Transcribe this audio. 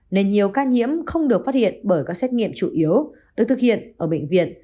nên nhiều ca nhiễm không được phát hiện bởi các xét nghiệm chủ yếu được thực hiện ở bệnh viện